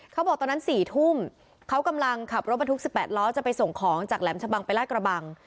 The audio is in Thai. เขาบอกตอนนั้น๔ทุ่มเขากำลังขับรถบรรทุก๑๘ล้อจะไปส่งของจากแหลมชะบังไปลาดกระบัง